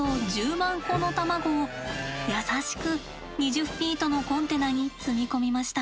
今回はの卵を優しく２０ｆｔのコンテナに積み込みました。